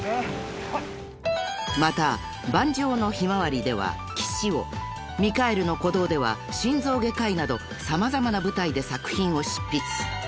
［また『盤上の向日葵』では棋士を『ミカエルの鼓動』では心臓外科医など様々な舞台で作品を執筆］